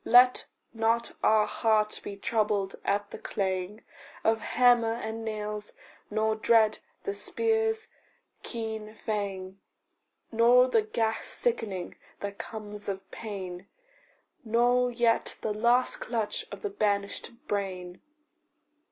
Let not our heart be troubled at the clang Of hammer and nails, nor dread the spear's keen fang, Nor the ghast sickening that comes of pain, Nor yet the last clutch of the banished brain.